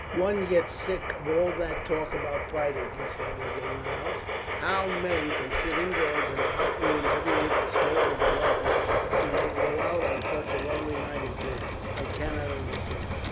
"One gets sick of all that talk about fighting," he said as they went out. "How men can sit indoors in a hot room heavy with the smoke of the lamps, when they can go out on such a lovely night as this, I cannot understand.